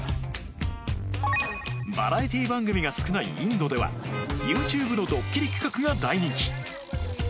バラエティ番組が少ないインドでは ＹｏｕＴｕｂｅ のどっきり企画が大人気